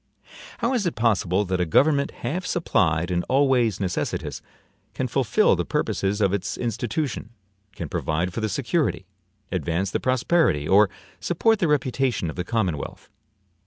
How is it possible that a government half supplied and always necessitous, can fulfill the purposes of its institution, can provide for the security, advance the prosperity, or support the reputation of the commonwealth?